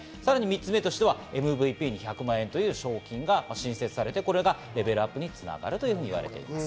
３つ目としてはＭＶＰに１００万円という賞金が新設されて、これがレベルアップに繋がると言われています。